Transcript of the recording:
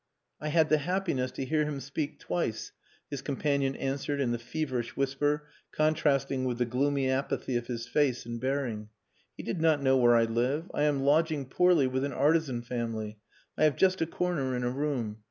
"I had the happiness to hear him speak twice," his companion answered in the feverish whisper contrasting with the gloomy apathy of his face and bearing. "He did not know where I live.... I am lodging poorly with an artisan family.... I have just a corner in a room.